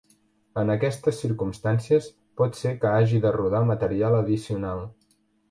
En aquestes circumstàncies, pot ser que hagi de rodar material addicional.